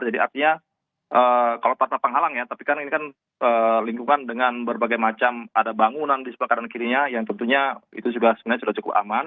jadi artinya kalau patah panghalang ya tapi kan ini kan lingkungan dengan berbagai macam ada bangunan di sebelah kanan kirinya yang tentunya itu sebenarnya sudah cukup aman